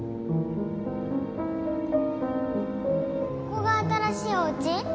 ここが新しいおうち？